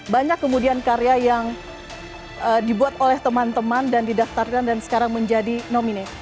banyak kemudian karya yang dibuat oleh teman teman dan didaftarkan dan sekarang menjadi nomine